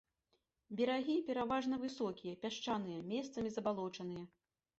Берагі пераважна высокія, пясчаныя, месцамі забалочаныя.